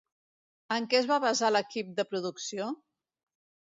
En què es van basar l'equip de producció?